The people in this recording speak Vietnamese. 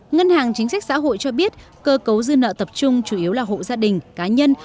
ngân hàng chính sách xã hội cho biết cơ cấu dư nợ tập trung chủ yếu là hộ gia đình cá nhân